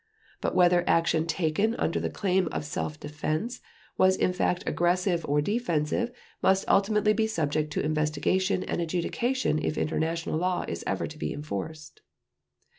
But whether action taken under the claim of self defense was in fact aggressive or defensive must ultimately be subject to investigation and adjudication if international law is ever to be enforced.